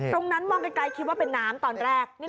ตรงนั้นมองไกลคิดว่าเป็นน้ำตอนแรก